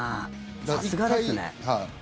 さすがですね。